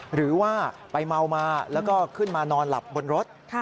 หรือว่าไปเมามาแล้วก็ขึ้นมานอนหลับบนรถ